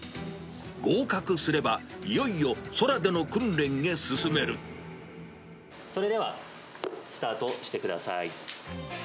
合格すれば、それでは、スタートしてください。